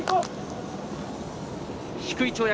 低い跳躍。